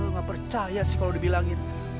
nggak percaya sih kalau dibilangin